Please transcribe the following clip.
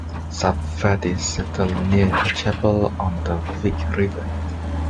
Savvaty settled near a chapel on the Vyg River.